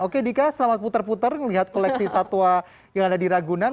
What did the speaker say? oke dika selamat putar putar melihat koleksi satwa yang ada di ragunan